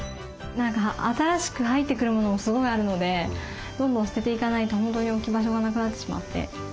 何か新しく入ってくるモノもすごいあるのでどんどん捨てていかないと本当に置き場所がなくなってしまって。